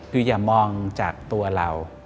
คืออย่ามองจากตัวเรา